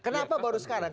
kenapa baru sekarang